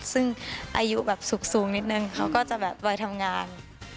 ซึ่งอายุสูงนิดนึงเขาก็จะบ่อยทำงาน